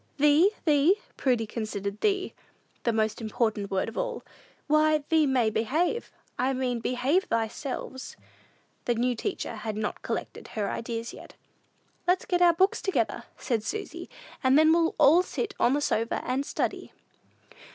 "Thee? thee?" Prudy considered "thee" the most important word of all. "Why, thee may behave; I mean, behave thyselves." The new teacher had not collected her ideas yet. "Let's get our books together," said Susy, "and then we'll all sit on the sofa and study."